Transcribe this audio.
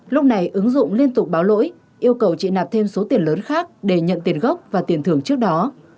lúc này ứng dụng liên tục báo lỗi yêu cầu chị nạp thêm số tiền lớn khác để nhận tiền gốc và tiền thưởng trước đó